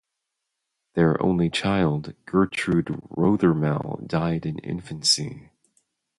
Their only child, Gertrude Rothermel, died in infancy.